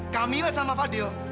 kamila sama fadil